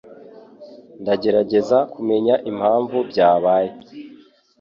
Ndagerageza kumenya impamvu byabaye.